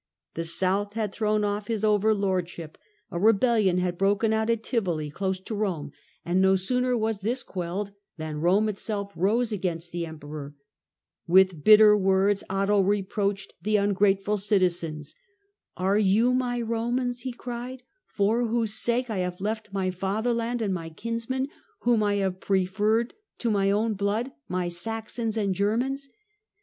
The South had thrown off his overlord ship, a rebellion had broken out at Tivoli, close to Eome, and no sooner was this quelled than Rome itself rose against the Emperor. With bitter words Otto reproached the ungrateful citizens. "Are you my Romans," he cried, " for whose sake I have left my fatherland and my kins men, whom I have preferred to my own blood, my Saxons and Germans